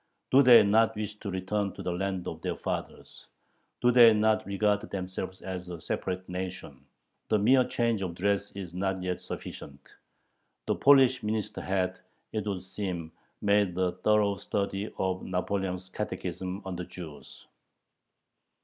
Do they not wish to return to the land of their fathers?... Do they not regard themselves as a separate nation?... The mere change of dress is not yet sufficient." The Polish minister had, it would seem, made a thorough study of Napoleon's catechism on the Jews.